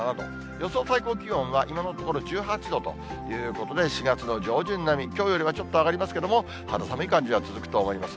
予想最高気温は、今のところ、１８度ということで、４月の上旬並み、きょうよりはちょっと上がりますけれども、肌寒い感じは続くと思います。